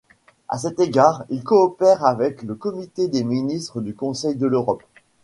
À cet égard, il coopère avec le Comité des Ministres du Conseil de l’Europe.